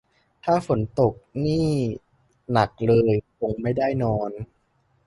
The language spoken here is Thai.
ถ้าฝนตกนี่หนักเลยคงไม่ได้นอน